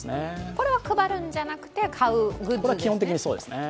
これは配るんじゃなくて買うグッズですね。